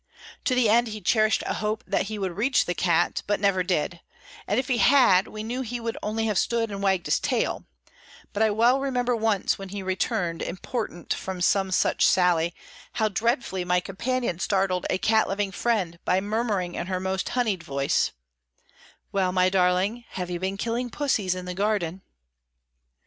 To the end he cherished a hope that he would reach the cat; but never did; and if he had, we knew he would only have stood and wagged his tail; but I well remember once, when he returned, important, from some such sally, how dreadfully my companion startled a cat loving friend by murmuring in her most honeyed voice: "Well, my darling, have you been killing pussies in the garden?"